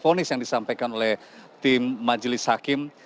fonis yang disampaikan oleh tim majelis hakim